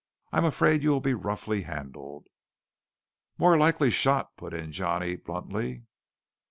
I am afraid you will be roughly handled." "More likely shot," put in Johnny bluntly.